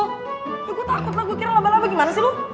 ya gue takut lah gue kira laba laba gimana sih lu